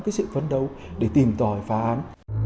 cái sự phấn đấu để tìm tòi phá án